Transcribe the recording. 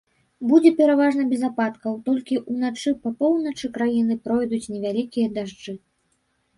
Будзе пераважна без ападкаў, толькі ўначы па поўначы краіны пройдуць невялікія дажджы.